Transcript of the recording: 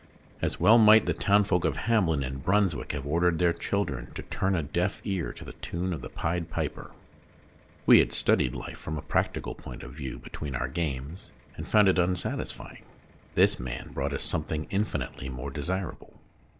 As well might the townsfolk of Hamelin, in Brunswick, have ordered their children to turn a deaf ear to the tune of the Pied Piper. We had studied life from a practical point of view between our games, and found it unsatisfy ing ; this man brought us something in finitely more desirable.